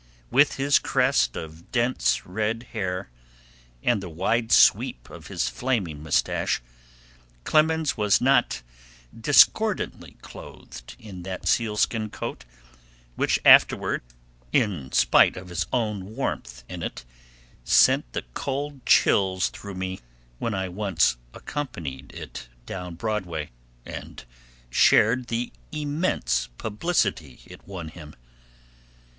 With his crest of dense red hair, and the wide sweep of his flaming mustache, Clemens was not discordantly clothed in that sealskin coat, which afterward, in spite of his own warmth in it, sent the cold chills through me when I once accompanied it down Broadway, and shared the immense publicity it won him.